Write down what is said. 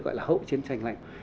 gọi là hậu chiến tranh lạnh